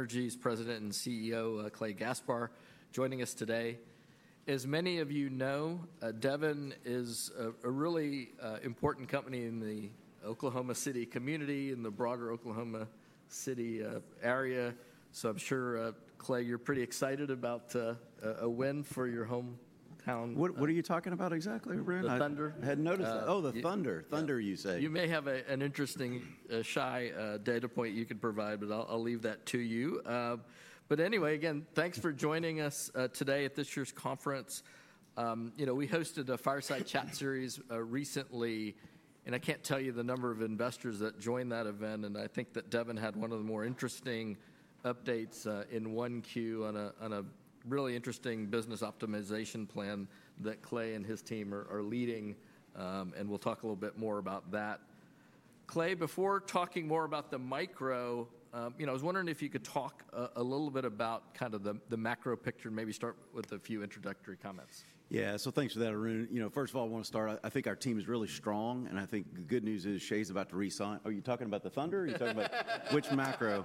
Energy's President and CEO, Clay Gaspar, joining us today. As many of you know, Devon is a really important company in the Oklahoma City community, in the broader Oklahoma City area. I am sure, Clay, you are pretty excited about a win for your hometown. What are you talking about exactly, Rick? The thunder. I hadn't noticed that. Oh, the Thunder. Thunder, you say. You may have an interesting, shy data point you could provide, but I'll leave that to you. Anyway, again, thanks for joining us today at this year's conference. You know, we hosted a Fireside Chat series recently, and I can't tell you the number of investors that joined that event. I think that Devon had one of the more interesting updates in Q1 on a really interesting Business Optimization Plan that Clay and his team are leading. We'll talk a little bit more about that. Clay, before talking more about the micro, you know, I was wondering if you could talk a little bit about kind of the macro picture, maybe start with a few introductory comments. Yeah, so thanks for that, Arun. You know, first of all, I want to start, I think our team is really strong. And I think the good news is Shai's about to resign. Are you talking about the Thunder? Are you talking about which macro?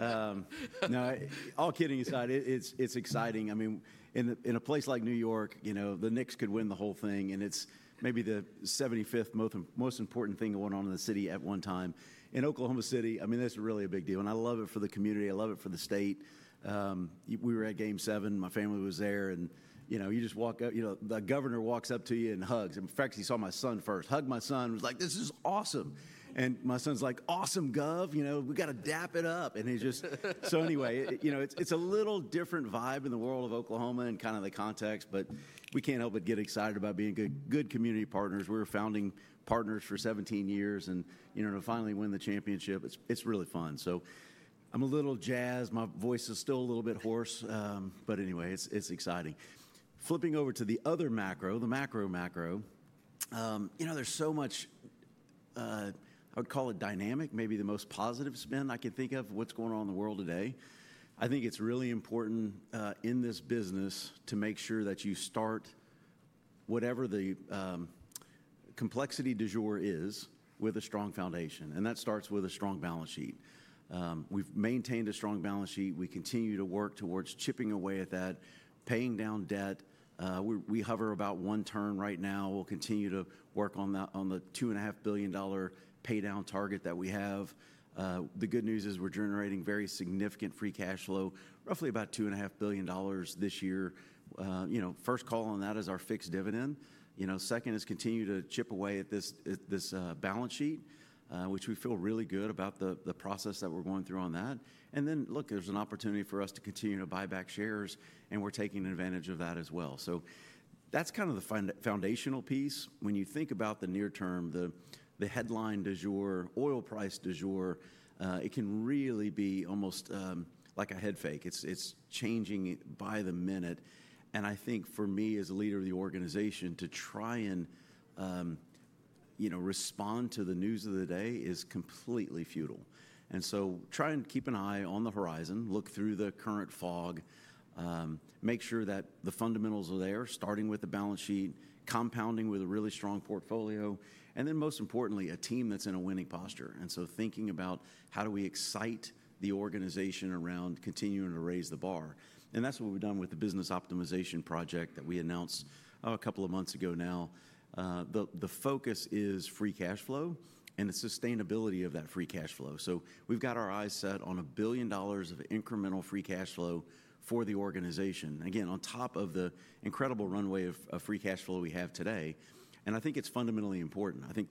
No, all kidding aside, it's exciting. I mean, in a place like New York, you know, the Knicks could win the whole thing. And it's maybe the 75th most important thing going on in the city at one time. In Oklahoma City, I mean, that's really a big deal. I love it for the community. I love it for the state. We were at Game 7. My family was there. You know, you just walk up, you know, the governor walks up to you and hugs. In fact, he saw my son first, hugged my son, was like, "This is awesome." My son's like, "Awesome, Gov. You know, we got to dap it up." He just, so anyway, you know, it's a little different vibe in the world of Oklahoma and kind of the context. We can't help but get excited about being good community partners. We were founding partners for 17 years. You know, to finally win the championship, it's really fun. I'm a little jazzed. My voice is still a little bit hoarse. Anyway, it's exciting. Flipping over to the other macro, the macro macro, you know, there's so much, I would call it dynamic, maybe the most positive spin I can think of what's going on in the world today. I think it's really important in this business to make sure that you start whatever the complexity du jour is with a strong foundation. That starts with a strong balance sheet. We've maintained a strong balance sheet. We continue to work towards chipping away at that, paying down debt. We hover about one turn right now. We'll continue to work on the $2.5 billion paydown target that we have. The good news is we're generating very significant free cash flow, roughly about $2.5 billion this year. You know, first call on that is our fixed dividend. You know, second is continue to chip away at this balance sheet, which we feel really good about the process that we're going through on that. Look, there's an opportunity for us to continue to buy back shares. We're taking advantage of that as well. That is kind of the foundational piece. When you think about the near term, the headline du jour, oil price du jour, it can really be almost like a head fake. It is changing by the minute. I think for me as a leader of the organization to try and, you know, respond to the news of the day is completely futile. I try and keep an eye on the horizon, look through the current fog, make sure that the fundamentals are there, starting with the balance sheet, compounding with a really strong portfolio, and then most importantly, a team that is in a winning posture. Thinking about how do we excite the organization around continuing to raise the bar. That is what we have done with the business optimization project that we announced a couple of months ago now. The focus is free cash flow and the sustainability of that free cash flow. We've got our eyes set on a billion dollars of incremental free cash flow for the organization. Again, on top of the incredible runway of free cash flow we have today. I think it's fundamentally important. I think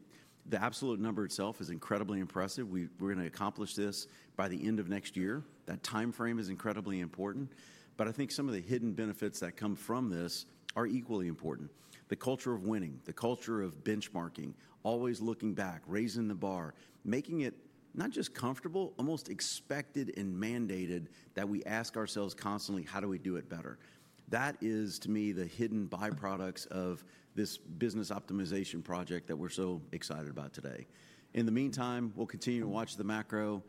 the absolute number itself is incredibly impressive. We're going to accomplish this by the end of next year. That timeframe is incredibly important. I think some of the hidden benefits that come from this are equally important. The culture of winning, the culture of benchmarking, always looking back, raising the bar, making it not just comfortable, almost expected and mandated that we ask ourselves constantly, how do we do it better? That is, to me, the hidden byproducts of this business optimization project that we're so excited about today. In the meantime, we'll continue to watch the macro,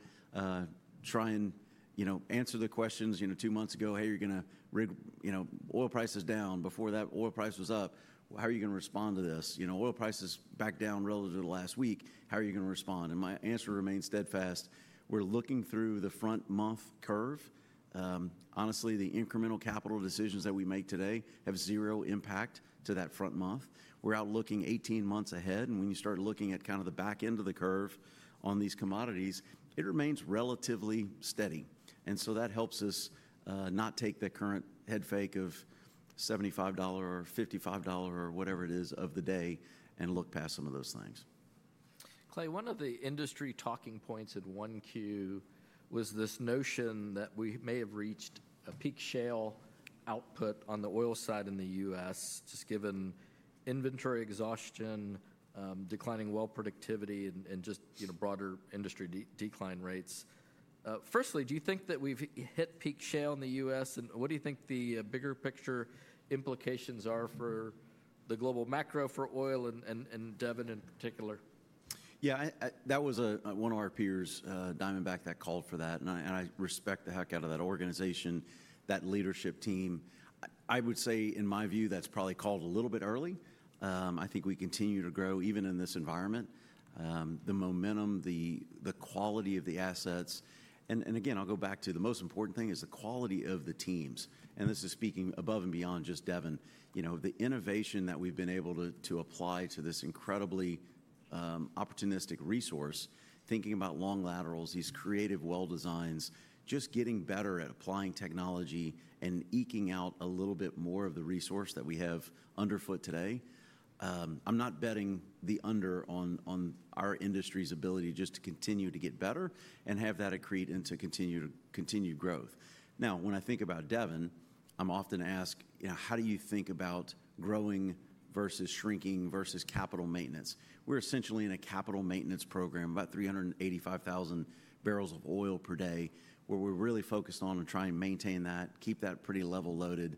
try and, you know, answer the questions. You know, two months ago, hey, you're going to rig, you know, oil prices down. Before that, oil price was up. How are you going to respond to this? You know, oil prices back down relative to last week. How are you going to respond? My answer remains steadfast. We're looking through the front month curve. Honestly, the incremental capital decisions that we make today have zero impact to that front month. We're out looking 18 months ahead. When you start looking at kind of the back end of the curve on these commodities, it remains relatively steady. That helps us not take the current head fake of $75 or $55 or whatever it is of the day and look past some of those things. Clay, one of the industry talking points at one Q was this notion that we may have reached a peak shale output on the oil side in the U.S., just given inventory exhaustion, declining well productivity, and just, you know, broader industry decline rates. Firstly, do you think that we've hit peak shale in the U.S.? What do you think the bigger picture implications are for the Global Macro for oil and Devon in particular? Yeah, that was one of our peers, Diamond Back, that called for that. I respect the heck out of that organization, that leadership team. I would say, in my view, that's probably called a little bit early. I think we continue to grow even in this environment. The momentum, the quality of the assets. Again, I'll go back to the most important thing is the quality of the teams. This is speaking above and beyond just Devon. You know, the innovation that we've been able to apply to this incredibly opportunistic resource, thinking about long laterals, these creative well designs, just getting better at applying technology and eking out a little bit more of the resource that we have underfoot today. I'm not betting the under on our industry's ability just to continue to get better and have that accrete into continued growth. Now, when I think about Devon, I'm often asked, you know, how do you think about growing versus shrinking versus capital maintenance? We're essentially in a capital maintenance program, about 385,000 barrels of oil per day, where we're really focused on trying to maintain that, keep that pretty level loaded.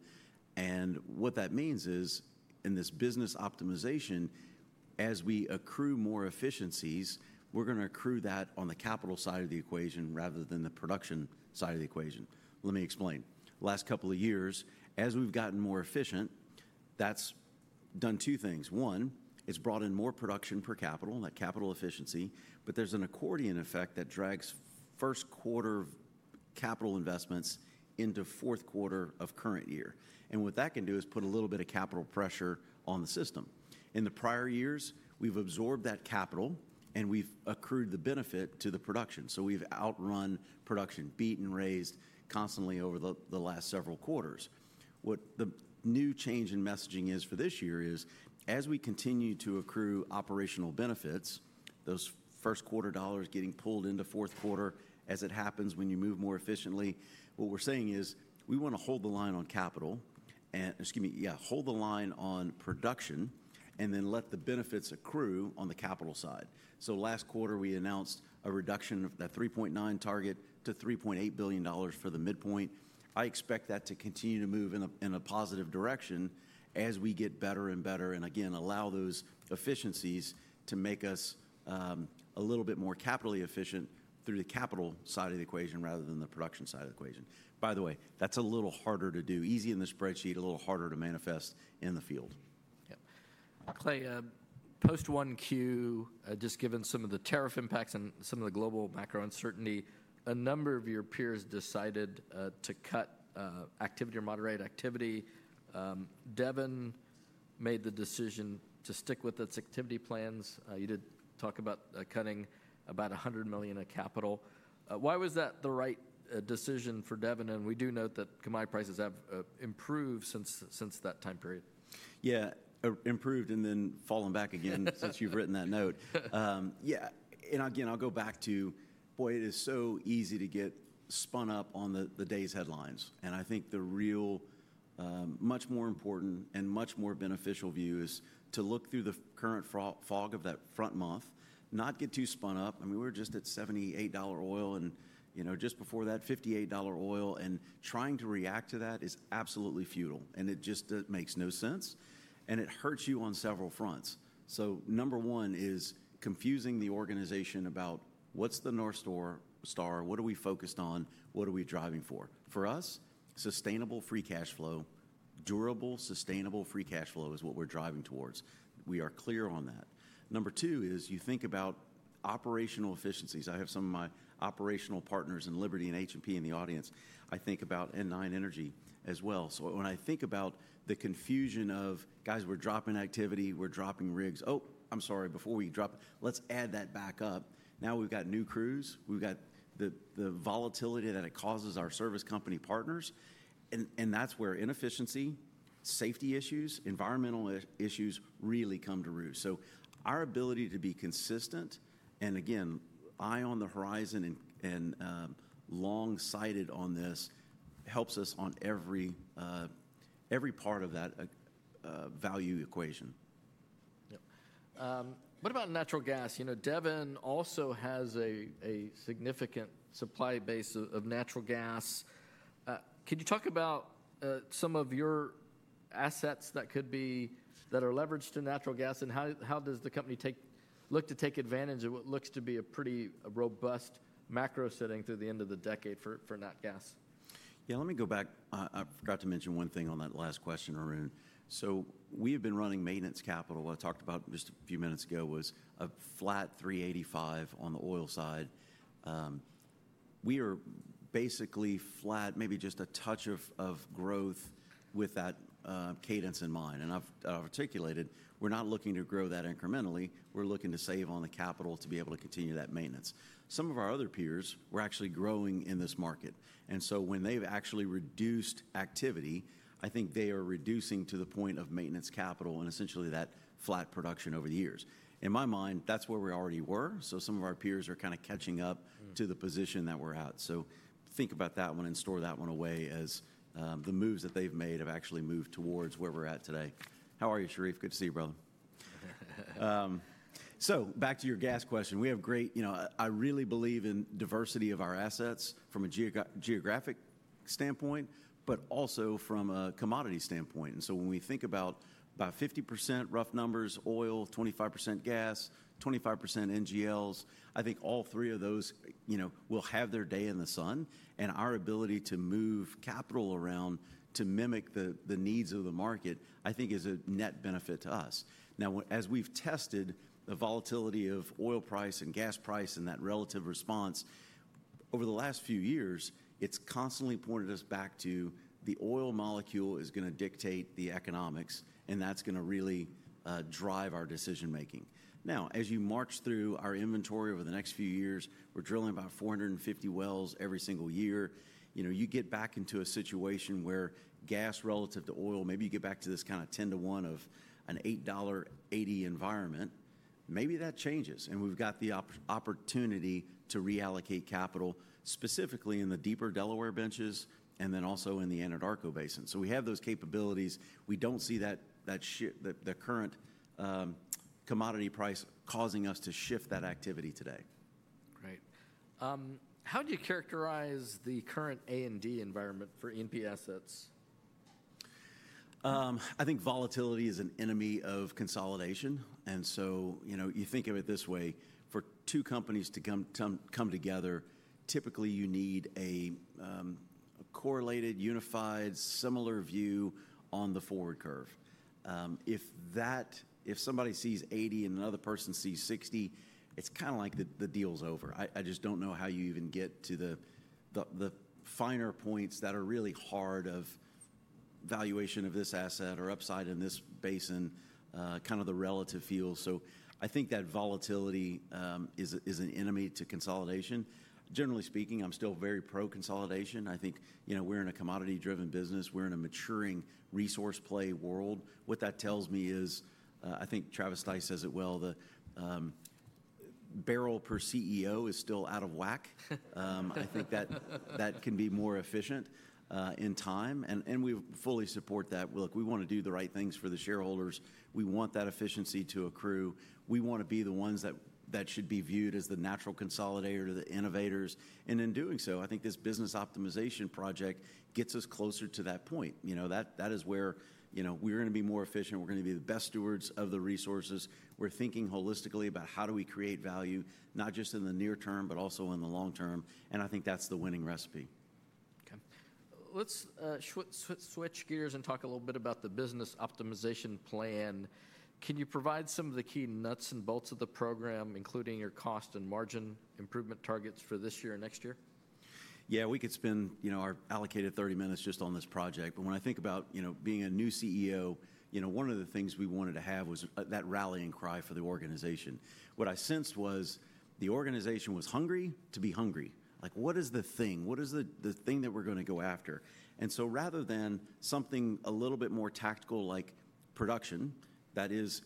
What that means is, in this business optimization, as we accrue more efficiencies, we're going to accrue that on the capital side of the equation rather than the production side of the equation. Let me explain. Last couple of years, as we've gotten more efficient, that's done two things. One, it's brought in more production per capital, that capital efficiency. There's an accordion effect that drags first quarter capital investments into fourth quarter of current year. What that can do is put a little bit of capital pressure on the system. In the prior years, we've absorbed that capital, and we've accrued the benefit to the production. We've outrun production, beat and raised constantly over the last several quarters. What the new change in messaging is for this year is, as we continue to accrue operational benefits, those first quarter dollars getting pulled into fourth quarter, as it happens when you move more efficiently, what we're saying is, we want to hold the line on capital, and, excuse me, yeah, hold the line on production, and then let the benefits accrue on the capital side. Last quarter, we announced a reduction of that $3.9 billion target to $3.8 billion for the midpoint. I expect that to continue to move in a positive direction as we get better and better and, again, allow those efficiencies to make us a little bit more capitally efficient through the capital side of the equation rather than the production side of the equation. By the way, that is a little harder to do, easy in the spreadsheet, a little harder to manifest in the field. Yep. Clay, post one Q, just given some of the tariff impacts and some of the global macro uncertainty, a number of your peers decided to cut activity or moderate activity. Devon made the decision to stick with its activity plans. You did talk about cutting about $100 million of capital. Why was that the right decision for Devon? We do note that commodity prices have improved since that time period. Yeah, improved and then fallen back again since you've written that note. Yeah. I will go back to, boy, it is so easy to get spun up on the day's headlines. I think the real, much more important and much more beneficial view is to look through the current fog of that front month, not get too spun up. I mean, we're just at $78 oil and, you know, just before that, $58 oil. Trying to react to that is absolutely futile. It just makes no sense. It hurts you on several fronts. Number one is confusing the organization about what's the North Star, what are we focused on, what are we driving for. For us, sustainable free cash flow, durable sustainable free cash flow is what we're driving towards. We are clear on that. Number two is you think about operational efficiencies. I have some of my operational partners in Liberty and H&P in the audience. I think about N9 Energy as well. When I think about the confusion of, guys, we're dropping activity, we're dropping rigs. Oh, I'm sorry, before we drop, let's add that back up. Now we've got new crews. We've got the volatility that it causes our service company partners. That is where inefficiency, safety issues, environmental issues really come to root. Our ability to be consistent and, again, eye on the horizon and long sighted on this helps us on every part of that value equation. Yep. What about natural gas? You know, Devon also has a significant supply base of natural gas. Could you talk about some of your assets that are leveraged to natural gas? And how does the company look to take advantage of what looks to be a pretty robust macro setting through the end of the decade for natural gas? Yeah, let me go back. I forgot to mention one thing on that last question, Arun. We have been running maintenance capital. I talked about just a few minutes ago was a flat 385 on the oil side. We are basically flat, maybe just a touch of growth with that cadence in mind. I have articulated we are not looking to grow that incrementally. We are looking to save on the capital to be able to continue that maintenance. Some of our other peers were actually growing in this market. When they have actually reduced activity, I think they are reducing to the point of maintenance capital and essentially that flat production over the years. In my mind, that is where we already were. Some of our peers are kind of catching up to the position that we are at. Think about that one and store that one away as the moves that they have made have actually moved towards where we are at today. How are you, Sharif? Good to see you, brother. Back to your gas question. We have great, you know, I really believe in diversity of our assets from a geographic standpoint, but also from a commodity standpoint. When we think about about 50% rough numbers, oil, 25% gas, 25% NGLs, I think all three of those, you know, will have their day in the sun. Our ability to move capital around to mimic the needs of the market, I think, is a net benefit to us. As we have tested the volatility of oil price and gas price and that relative response over the last few years, it has constantly pointed us back to the oil molecule is going to dictate the economics. That is going to really drive our decision making. Now, as you march through our inventory over the next few years, we're drilling about 450 wells every single year. You know, you get back into a situation where gas relative to oil, maybe you get back to this kind of 10 to 1 of an $8.80 environment. Maybe that changes. We have the opportunity to reallocate capital specifically in the deeper Delaware Benches and then also in the Anadarko Basin. We have those capabilities. We do not see that the current commodity price is causing us to shift that activity today. Great. How do you characterize the current A&D environment for E&P assets? I think volatility is an enemy of consolidation. And so, you know, you think of it this way. For two companies to come together, typically you need a correlated, unified, similar view on the forward curve. If somebody sees $80 and another person sees $60, it's kind of like the deal's over. I just don't know how you even get to the finer points that are really hard of valuation of this asset or upside in this basin, kind of the relative field. So I think that volatility is an enemy to consolidation. Generally speaking, I'm still very pro-consolidation. I think, you know, we're in a commodity-driven business. We're in a maturing resource play world. What that tells me is, I think Travis Dyce says it well, the barrel per CEO is still out of whack. I think that can be more efficient in time. And we fully support that. Look, we want to do the right things for the shareholders. We want that efficiency to accrue. We want to be the ones that should be viewed as the natural consolidator to the innovators. In doing so, I think this business optimization project gets us closer to that point. You know, that is where, you know, we're going to be more efficient. We're going to be the best stewards of the resources. We're thinking holistically about how do we create value, not just in the near term, but also in the long term. I think that's the winning recipe. Okay. Let's switch gears and talk a little bit about the business optimization plan. Can you provide some of the key nuts and bolts of the program, including your cost and margin improvement targets for this year and next year? Yeah, we could spend, you know, our allocated 30 minutes just on this project. But when I think about, you know, being a new CEO, you know, one of the things we wanted to have was that rallying cry for the organization. What I sensed was the organization was hungry to be hungry. Like, what is the thing? What is the thing that we're going to go after? And so rather than something a little bit more tactical like production, that is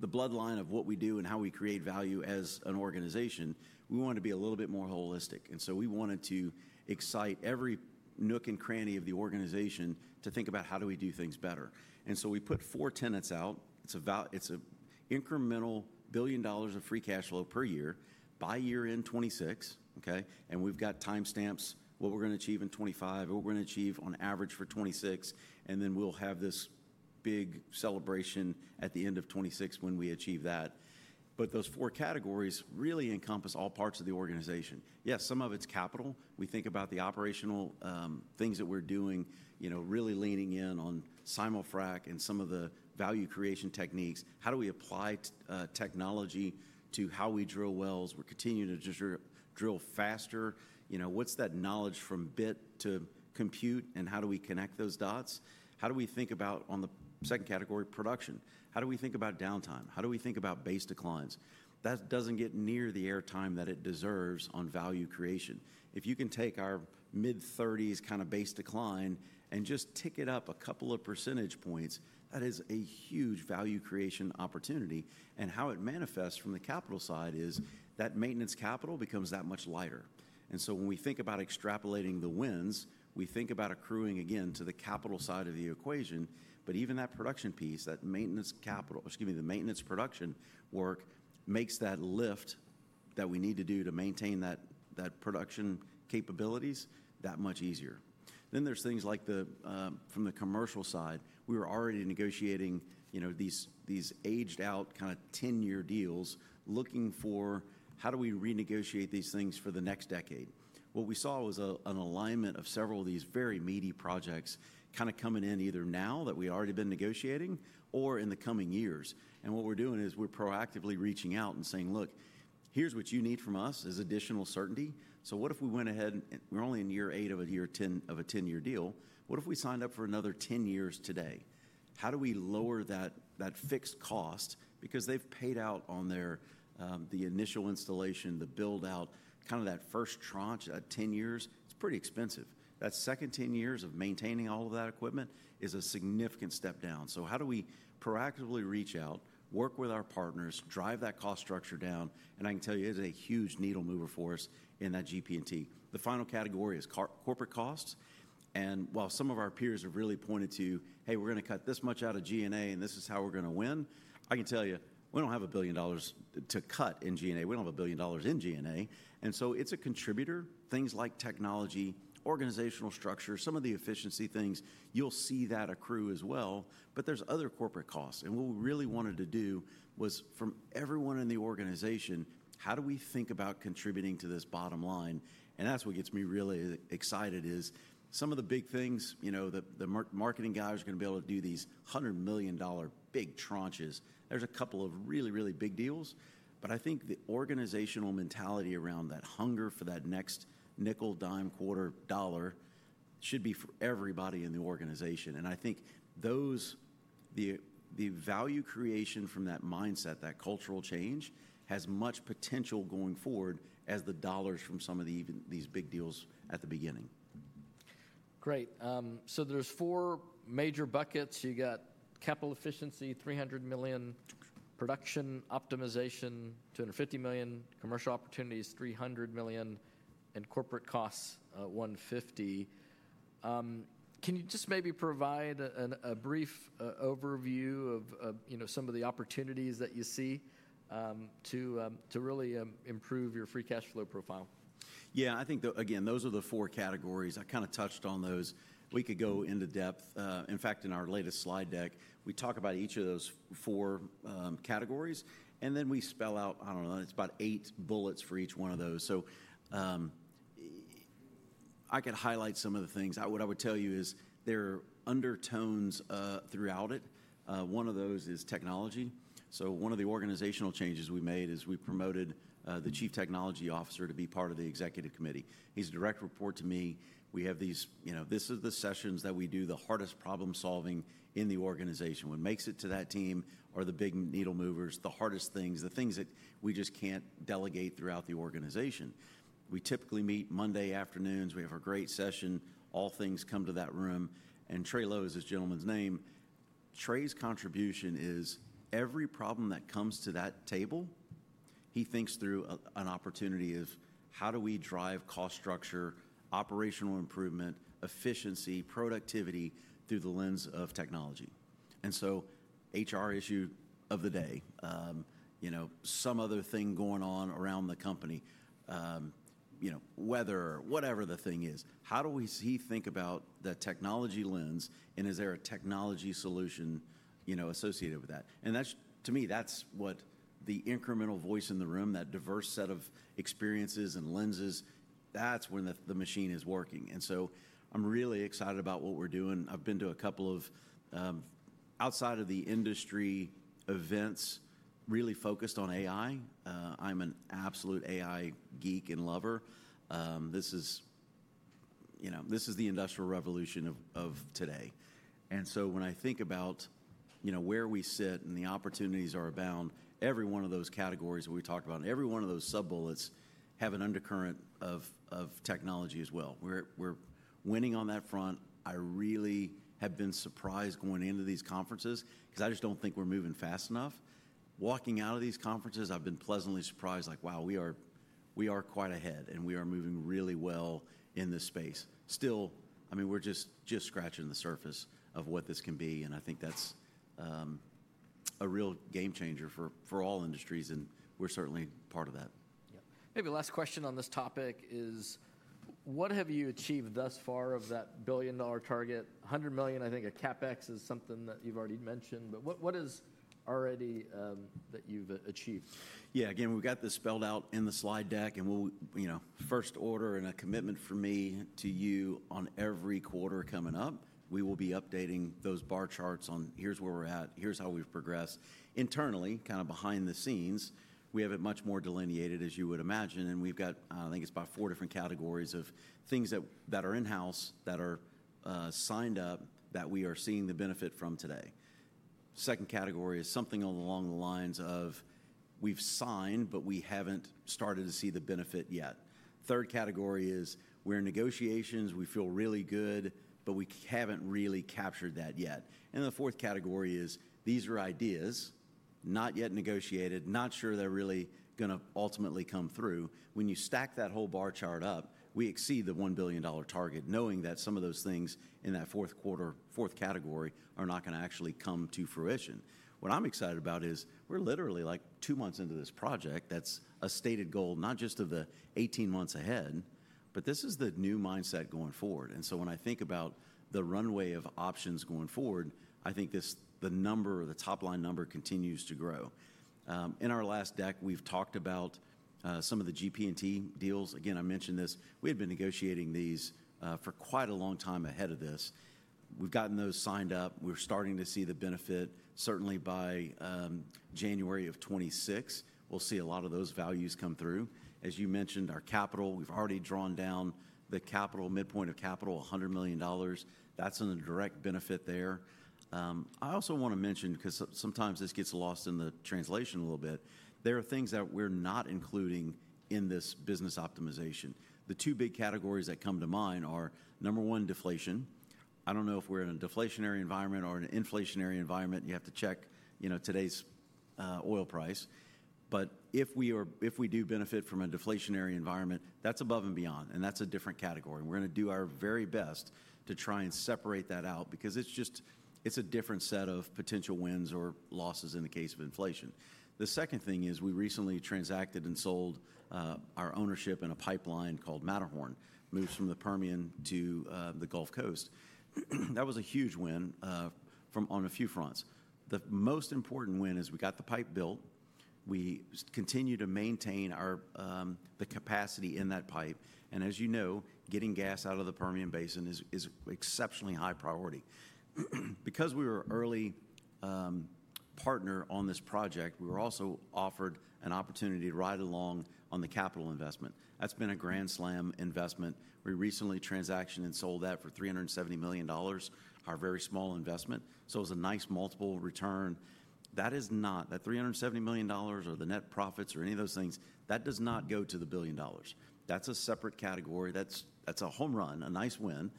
the bloodline of what we do and how we create value as an organization, we want to be a little bit more holistic. And so we wanted to excite every nook and cranny of the organization to think about how do we do things better. And so we put four tenets out. It's an incremental billion dollars of free cash flow per year by year in 2026, okay? We have timestamps for what we are going to achieve in 2025, what we are going to achieve on average for 2026. We will have this big celebration at the end of 2026 when we achieve that. Those four categories really encompass all parts of the organization. Yes, some of it is capital. We think about the operational things that we are doing, you know, really leaning in on Simulfrac and some of the value creation techniques. How do we apply technology to how we drill wells? We are continuing to drill faster. You know, what is that knowledge from bit to compute and how do we connect those dots? How do we think about, on the second category, production? How do we think about downtime? How do we think about base declines? That does not get near the airtime that it deserves on value creation. If you can take our mid-30s kind of base decline and just tick it up a couple of percentage points, that is a huge value creation opportunity. How it manifests from the capital side is that maintenance capital becomes that much lighter. When we think about extrapolating the wins, we think about accruing again to the capital side of the equation. Even that production piece, that maintenance capital, excuse me, the maintenance production work makes that lift that we need to do to maintain that production capabilities that much easier. There are things like from the commercial side. We were already negotiating, you know, these aged out kind of 10-year deals looking for how do we renegotiate these things for the next decade. What we saw was an alignment of several of these very meaty projects kind of coming in either now that we've already been negotiating or in the coming years. What we're doing is we're proactively reaching out and saying, look, here's what you need from us as additional certainty. What if we went ahead and we're only in year eight of a 10-year deal. What if we signed up for another 10 years today? How do we lower that fixed cost? Because they've paid out on the initial installation, the build-out, kind of that first tranche at 10 years, it's pretty expensive. That second 10 years of maintaining all of that equipment is a significant step down. How do we proactively reach out, work with our partners, drive that cost structure down? I can tell you it's a huge needle mover for us in that GP&T. The final category is corporate costs. While some of our peers have really pointed to, hey, we're going to cut this much out of G&A and this is how we're going to win, I can tell you we don't have a billion dollars to cut in G&A. We don't have a billion dollars in G&A. It's a contributor. Things like technology, organizational structure, some of the efficiency things, you'll see that accrue as well. There are other corporate costs. What we really wanted to do was from everyone in the organization, how do we think about contributing to this bottom line? That's what gets me really excited is some of the big things, you know, the marketing guys are going to be able to do these $100 million big tranches. There's a couple of really, really big deals. I think the organizational mentality around that hunger for that next nickel, dime, quarter, dollar should be for everybody in the organization. I think the value creation from that mindset, that cultural change has as much potential going forward as the dollars from some of these big deals at the beginning. Great. There are four major buckets. You got capital efficiency, $300 million, production optimization, $250 million, commercial opportunities, $300 million, and corporate costs, $150 million. Can you just maybe provide a brief overview of, you know, some of the opportunities that you see to really improve your free cash flow profile? Yeah, I think, again, those are the four categories. I kind of touched on those. We could go into depth. In fact, in our latest slide deck, we talk about each of those four categories. And then we spell out, I don't know, it's about eight bullets for each one of those. I could highlight some of the things. What I would tell you is there are undertones throughout it. One of those is technology. One of the organizational changes we made is we promoted the Chief Technology Officer to be part of the executive committee. He's a direct report to me. We have these, you know, this is the sessions that we do the hardest problem solving in the organization. What makes it to that team are the big needle movers, the hardest things, the things that we just can't delegate throughout the organization. We typically meet Monday afternoons. We have a great session. All things come to that room. Trey Lowe is this gentleman's name. Trey's contribution is every problem that comes to that table, he thinks through an opportunity of how do we drive cost structure, operational improvement, efficiency, productivity through the lens of technology. HR issue of the day, you know, some other thing going on around the company, you know, weather, whatever the thing is, how do we think about the technology lens and is there a technology solution, you know, associated with that? To me, that's what the incremental voice in the room, that diverse set of experiences and lenses, that's when the machine is working. I'm really excited about what we're doing. I've been to a couple of outside of the industry events really focused on AI. I'm an absolute AI geek and lover. This is, you know, this is the industrial revolution of today. And so when I think about, you know, where we sit and the opportunities are abound, every one of those categories that we talked about and every one of those sub-bullets have an undercurrent of technology as well. We're winning on that front. I really have been surprised going into these conferences because I just don't think we're moving fast enough. Walking out of these conferences, I've been pleasantly surprised, like, wow, we are quite ahead and we are moving really well in this space. Still, I mean, we're just scratching the surface of what this can be. And I think that's a real game changer for all industries. And we're certainly part of that. Yeah. Maybe last question on this topic is what have you achieved thus far of that billion-dollar target? $100 million, I think, in CapEx is something that you've already mentioned. But what is already that you've achieved? Yeah, again, we've got this spelled out in the slide deck. And we'll, you know, first order and a commitment from me to you on every quarter coming up, we will be updating those bar charts on here's where we're at, here's how we've progressed. Internally, kind of behind the scenes, we have it much more delineated as you would imagine. And we've got, I think it's about four different categories of things that are in-house that are signed up that we are seeing the benefit from today. Second category is something along the lines of we've signed, but we haven't started to see the benefit yet. Third category is we're in negotiations, we feel really good, but we haven't really captured that yet. And the fourth category is these are ideas, not yet negotiated, not sure they're really going to ultimately come through. When you stack that whole bar chart up, we exceed the $1 billion target knowing that some of those things in that fourth quarter, fourth category are not going to actually come to fruition. What I'm excited about is we're literally like two months into this project. That's a stated goal, not just of the 18 months ahead, but this is the new mindset going forward. When I think about the runway of options going forward, I think the number, the top line number continues to grow. In our last deck, we've talked about some of the GP&T deals. Again, I mentioned this. We had been negotiating these for quite a long time ahead of this. We've gotten those signed up. We're starting to see the benefit. Certainly by January of 2026, we'll see a lot of those values come through. As you mentioned, our capital, we've already drawn down the capital, midpoint of capital, $100 million. That's in a direct benefit there. I also want to mention, because sometimes this gets lost in the translation a little bit, there are things that we're not including in this business optimization. The two big categories that come to mind are, number one, deflation. I don't know if we're in a deflationary environment or an inflationary environment. You have to check, you know, today's oil price. If we do benefit from a deflationary environment, that's above and beyond. That's a different category. We're going to do our very best to try and separate that out because it's just, it's a different set of potential wins or losses in the case of inflation. The second thing is we recently transacted and sold our ownership in a pipeline called Matterhorn, moved from the Permian to the Gulf Coast. That was a huge win on a few fronts. The most important win is we got the pipe built. We continue to maintain the capacity in that pipe. And as you know, getting gas out of the Permian Basin is exceptionally high priority. Because we were an early partner on this project, we were also offered an opportunity to ride along on the capital investment. That's been a grand slam investment. We recently transacted and sold that for $370 million, our very small investment. So it was a nice multiple return. That is not, that $370 million or the net profits or any of those things, that does not go to the billion dollars. That's a separate category. That's a home run, a nice win.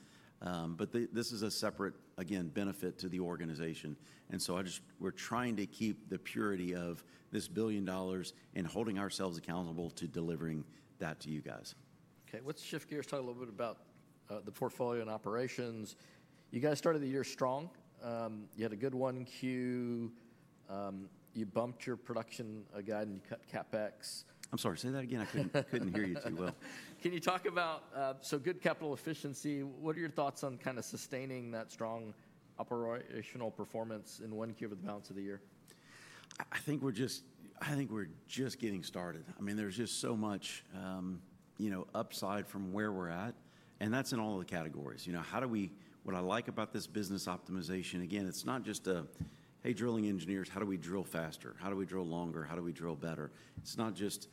This is a separate, again, benefit to the organization. I just, we're trying to keep the purity of this billion dollars and holding ourselves accountable to delivering that to you guys. Okay. Let's shift gears, talk a little bit about the portfolio and operations. You guys started the year strong. You had a good 1Q. You bumped your production guide and you cut CapEx. I'm sorry, say that again. I couldn't hear you too well. Can you talk about, so good capital efficiency, what are your thoughts on kind of sustaining that strong operational performance in 1Q over the balance of the year? I think we're just, I think we're just getting started. I mean, there's just so much, you know, upside from where we're at. And that's in all of the categories. You know, how do we, what I like about this business optimization, again, it's not just a, hey, drilling engineers, how do we drill faster? How do we drill longer? How do we drill better? It's not just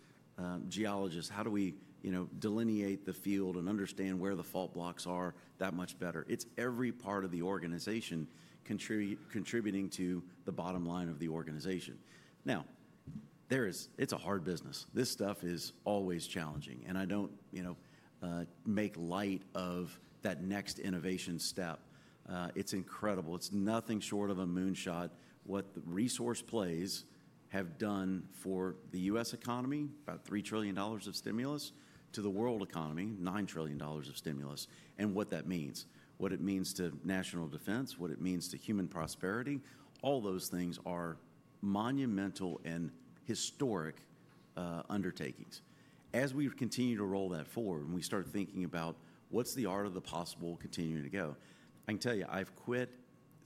geologists. How do we, you know, delineate the field and understand where the fault blocks are that much better? It's every part of the organization contributing to the bottom line of the organization. Now, there is, it's a hard business. This stuff is always challenging. And I don't, you know, make light of that next innovation step. It's incredible. It's nothing short of a moonshot. What the resource plays have done for the U.S. economy, about $3 trillion of stimulus to the world economy, $9 trillion of stimulus. What that means, what it means to national defense, what it means to human prosperity, all those things are monumental and historic undertakings. As we continue to roll that forward and we start thinking about what's the art of the possible continuing to go, I can tell you, I've quit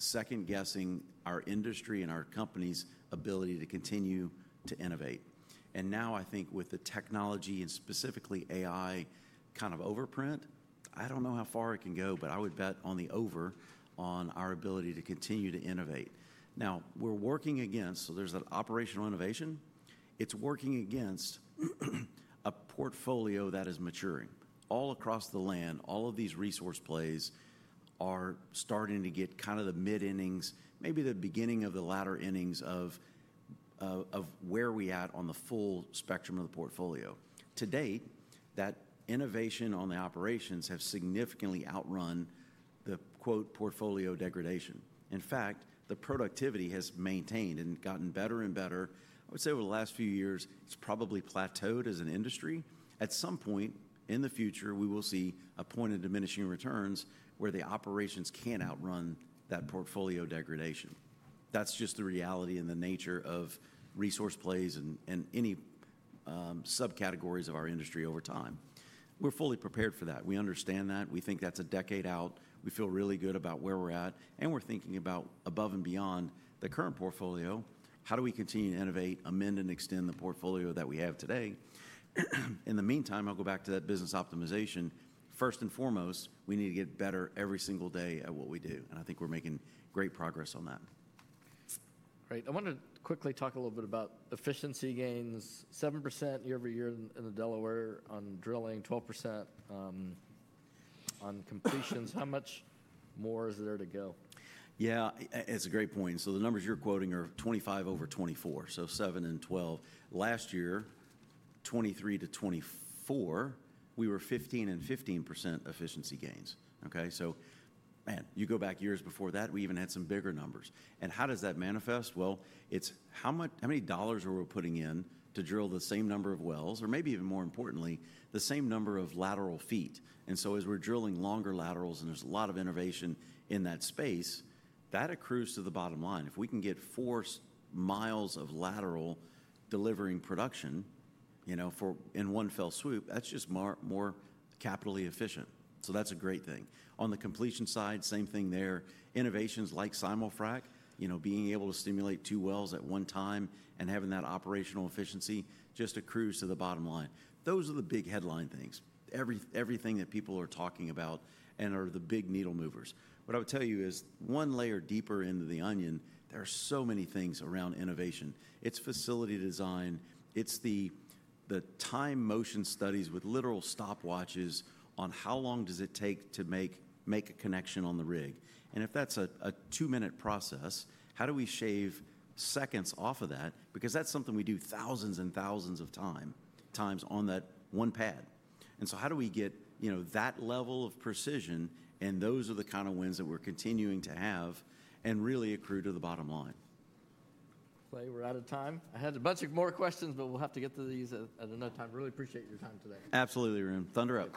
second guessing our industry and our company's ability to continue to innovate. Now I think with the technology and specifically AI kind of overprint, I don't know how far it can go, but I would bet on the over on our ability to continue to innovate. Now we're working against, so there's that operational innovation. It's working against a portfolio that is maturing. All across the land, all of these resource plays are starting to get kind of the mid-innings, maybe the beginning of the latter innings of where we are at on the full spectrum of the portfolio. To date, that innovation on the operations has significantly outrun the quote portfolio degradation. In fact, the productivity has maintained and gotten better and better. I would say over the last few years, it has probably plateaued as an industry. At some point in the future, we will see a point of diminishing returns where the operations cannot outrun that portfolio degradation. That is just the reality and the nature of resource plays and any subcategories of our industry over time. We are fully prepared for that. We understand that. We think that is a decade out. We feel really good about where we are at. We are thinking about above and beyond the current portfolio. How do we continue to innovate, amend, and extend the portfolio that we have today? In the meantime, I will go back to that business optimization. First and foremost, we need to get better every single day at what we do. I think we are making great progress on that. Great. I want to quickly talk a little bit about efficiency gains. 7% year-over-year in the Delaware on drilling, 12% on completions. How much more is there to go? Yeah, it's a great point. The numbers you're quoting are 25 over 24, so seven and 12. Last year, 2023 to 2024, we were 15 and 15% efficiency gains. Okay? Man, you go back years before that, we even had some bigger numbers. How does that manifest? It's how many dollars are we putting in to drill the same number of wells or maybe even more importantly, the same number of lateral feet. As we're drilling longer laterals and there's a lot of innovation in that space, that accrues to the bottom line. If we can get four miles of lateral delivering production, you know, in one fell swoop, that's just more capitally efficient. That's a great thing. On the completion side, same thing there. Innovations like Simulfrac, you know, being able to stimulate two wells at one time and having that operational efficiency just accrues to the bottom line. Those are the big headline things. Everything that people are talking about and are the big needle movers. What I would tell you is one layer deeper into the onion, there are so many things around innovation. It is facility design. It is the time motion studies with literal stopwatches on how long does it take to make a connection on the rig. If that is a two-minute process, how do we shave seconds off of that? Because that is something we do thousands and thousands of times on that one pad. How do we get, you know, that level of precision? Those are the kind of wins that we are continuing to have and really accrue to the bottom line. Clay, we're out of time. I had a bunch of more questions, but we'll have to get to these at another time. Really appreciate your time today. Absolutely, Arun. Thunder up.